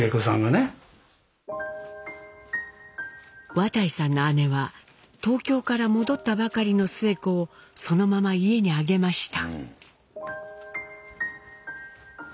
綿井さんの姉は東京から戻ったばかりのスエ子をそのまま家に上げました。